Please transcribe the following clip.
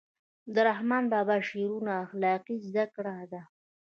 د رحمان بابا شعرونه اخلاقي زده کړه ده.